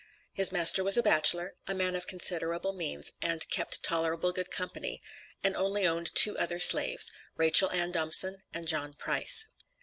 His master was a bachelor, a man of considerable means, and "kept tolerable good company," and only owned two other slaves, Rachel Ann Dumbson and John Price.